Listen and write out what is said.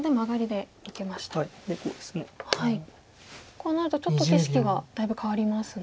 こうなるとちょっと景色がだいぶ変わりますね。